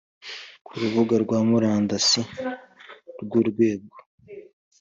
Ku rubuga rwa murandasi rw urwego